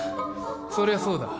そりゃそうだ。